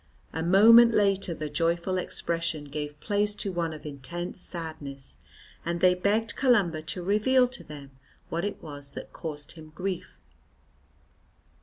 A moment later the joyful expression gave place to one of intense sadness, and they begged Columba to reveal to them what it was that caused him grief.